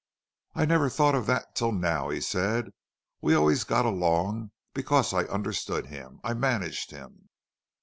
"I never thought of that till now," he said. "We always got along because I understood him. I managed him.